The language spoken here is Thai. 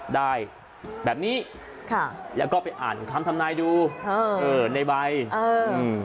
ได้แบบนี้ค่ะแล้วก็ไปอ่านคำทำรายดูเออเกิแมดไบอืม